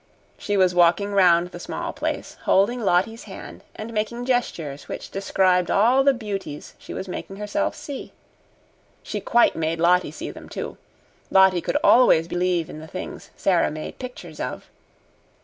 She was walking round the small place, holding Lottie's hand and making gestures which described all the beauties she was making herself see. She quite made Lottie see them, too. Lottie could always believe in the things Sara made pictures of.